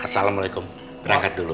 assalamualaikum berangkat dulu